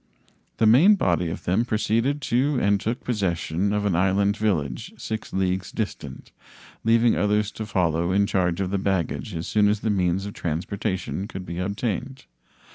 The main body of them proceeded to and took possession of an inland village 6 leagues distant, leaving others to follow in charge of the baggage as soon as the means of transportation could be obtained.